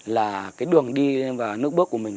là cái đường đi vào nước bước của mình